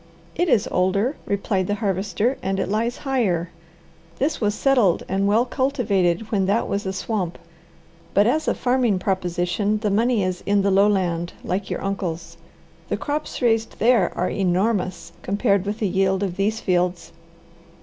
"It is older," replied the Harvester, "and it lies higher. This was settled and well cultivated when that was a swamp. But as a farming proposition, the money is in the lowland like your uncle's. The crops raised there are enormous compared with the yield of these fields."